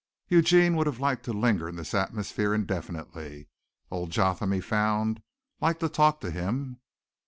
Eugene would have liked to linger in this atmosphere indefinitely. Old Jotham, he found, liked to talk to him.